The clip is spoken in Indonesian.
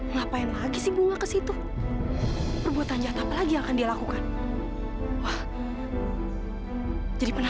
sampai jumpa di video selanjutnya